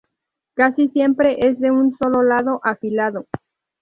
Casi siempre es de un solo lado afilado.